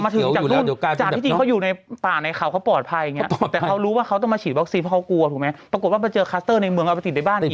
แต่เขารู้ว่าเขาต้องมาฉีดว็อกซิฟเพราะเขากลัวถูกไหมปรากฏว่าเจอคัสเตอร์ในเมืองเอาไปติดในบ้านอีก